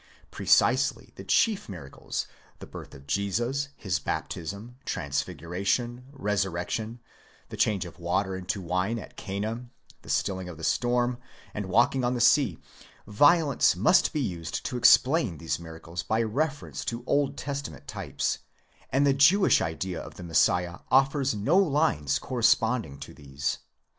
Precisely the chief miracles— the birth of Jesus, his baptism, transfiguration, resurrection, the change of water into wine at Cana, the stilling of the storm, and walking on the sea— violence must be used to explain these miracles by reference to Old Testament types, and the Jewish idea of the Messiah offers no lines corresponding to these.